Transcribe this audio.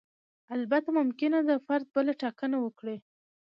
البته ممکنه ده فرد بله ټاکنه وکړي.